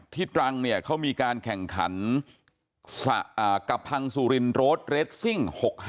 ที่ตรังเขามีการแข่งขันกระพังสุรินรถเรดซิ่ง๖๕